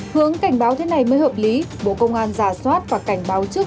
hướng cảnh báo thế này mới hợp lý bộ công an giả soát và cảnh báo trước